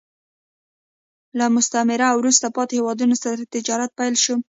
له مستعمره او وروسته پاتې هېوادونو سره تجارت پیل شو